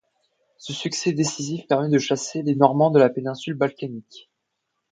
Ce succès décisif permet de chasser les Normands de la péninsule balkanique.